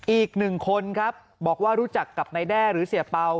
อีกหนึ่งคนครับบอกว่ารู้จักกับนายแด้หรือเสียเป่า